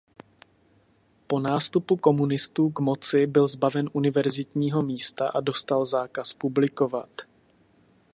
Po nástupu komunistů k moci byl zbaven univerzitního místa a dostal zákaz publikovat.